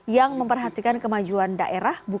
yang memperhatikan kemajuan daerah